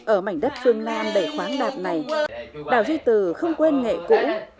ở mảnh đất phương nam đầy khoáng đạp này đảo duy từ không quên nghệ cũ